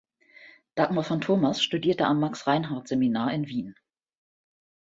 Dagmar von Thomas studierte am Max Reinhardt Seminar in Wien.